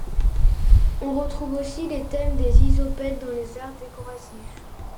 On retrouve aussi les thèmes des ysopets dans les arts décoratifs.